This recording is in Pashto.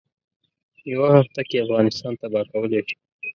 یوه هفته کې افغانستان تباه کولای شي.